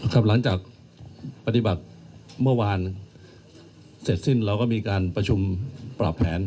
หลังจากปฏิบัติเมื่อวานเสร็จสิ้นเราก็มีการประชุมปรับแผน